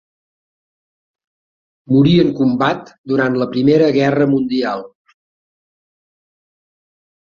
Morí en combat durant la Primera Guerra Mundial.